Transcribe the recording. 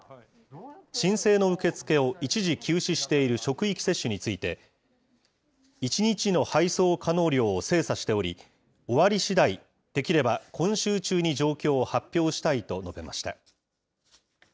申請の受け付けを一時休止している職域接種について、１日の配送可能量を精査しており、終わりしだい、できれば今週中に状況を発表したいと述べました。